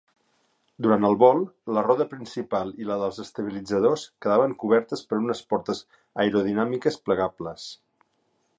Durant el vol, la roda principal i la dels estabilitzadors quedaven cobertes per unes portes aerodinàmiques plegables.